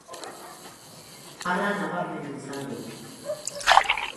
Hala nabarmendu izan du.